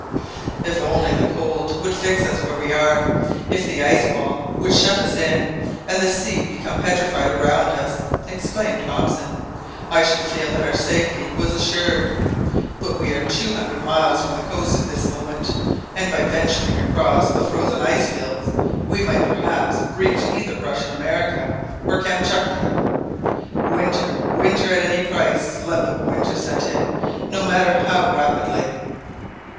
"If only the cold would fix us where we are, if the ice wall would shut us in, and the sea become petrified around us," exclaimed Hobson, "I should feel that our safety was assured. We are but two hundred miles from the coast at this moment, and by venturing across the frozen ice fields we might perhaps reach either Russian America or Kamtchatka. Winter, winter at any price, let the winter set in, no matter how rapidly."